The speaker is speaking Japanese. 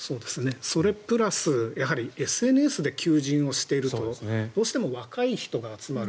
それプラスＳＮＳで求人をしているとどうしても若い人が集まる。